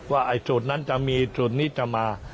ว่าไอ้สูตรนั้นจะมีสูตรนี้จะมา